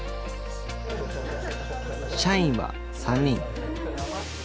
社員は３人。